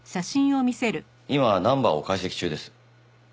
今ナンバーを解析中です。